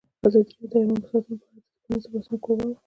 ازادي راډیو د حیوان ساتنه په اړه د پرانیستو بحثونو کوربه وه.